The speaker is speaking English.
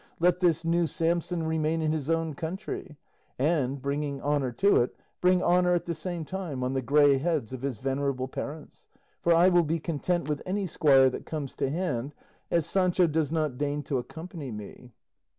Let this new Samson remain in his own country, and, bringing honour to it, bring honour at the same time on the grey heads of his venerable parents; for I will be content with any squire that comes to hand, as Sancho does not deign to accompany me."